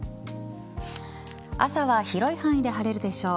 朝は広い範囲で晴れるでしょう。